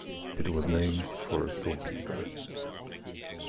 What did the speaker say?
It was named for a storekeeper.